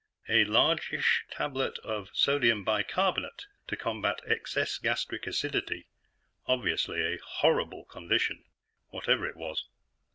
A largish tablet of sodium bicarbonate to combat excess gastric acidity obviously a horrible condition, whatever it was.